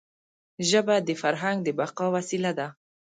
ژبه د فرهنګ د بقا وسیله ده.